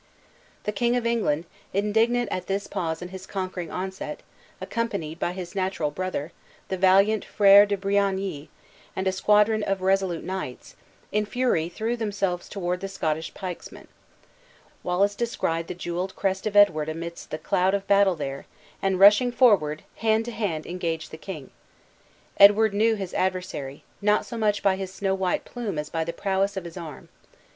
The King of England, indignant at this pause in his conquering onset, accompanied by his natural brother, the valiant Frere de Briagny, and a squadron of resolute knights, in fury threw themselves toward the Scottish pikesmen. Wallace descried the jeweled crest of Edward amidst the cloud of battle there, and rushing forward, hand to hand engaged the king. Edward knew his adversary, not so much by his snow white plume as by the prowess of his arm.